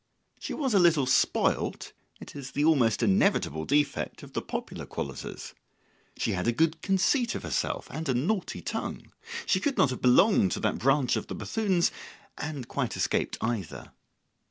She was a little spoilt; it is the almost inevitable defect of the popular qualities. She had a good conceit of herself, and a naughty tongue; she could not have belonged to that branch of the Bethunes and quite escaped either.